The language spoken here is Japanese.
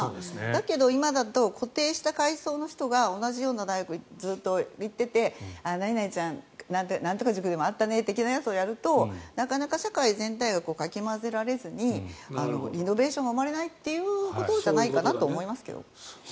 だけど今だと固定した階層の人が同じような大学にずっと行ってて何々ちゃん、なんとか塾でも会ったね的なことをやるとなかなか社会全体がかき混ぜられずにイノベーションが生まれないということじゃないかと思いますけど。